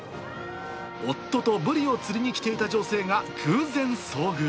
夫とブリを釣りに来ていた女性が偶然遭遇。